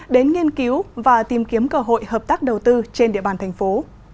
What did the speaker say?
đến nghiên cứu và tìm kiếm cơ hội hợp tác đầu tư trên địa bàn thành phố